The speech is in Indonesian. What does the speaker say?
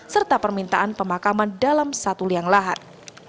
serta permintaan pemakaman dalam satu liang lahat